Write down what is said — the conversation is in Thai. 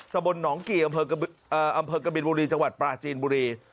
ตะบนหนองกี่อำเภอกบินบุรีจังหวัดปราจีนบุรี